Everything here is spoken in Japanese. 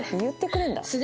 言ってくれるんだ。